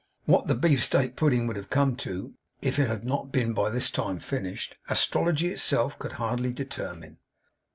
What the beef steak pudding would have come to, if it had not been by this time finished, astrology itself could hardly determine.